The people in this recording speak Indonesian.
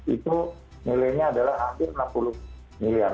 itu nilainya adalah hampir enam puluh miliar